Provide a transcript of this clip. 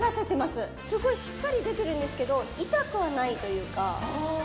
すごいしっかり出てるんですけど、痛くはないというか。